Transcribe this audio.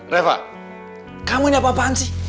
reva kamu ini apa apaan sih